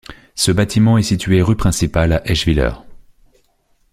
Ce bâtiment est situé rue Principale à Eschwiller.